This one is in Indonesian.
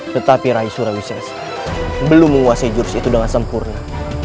tetapi raih sriwisesta belum menguasai jurus itu dengan sempurna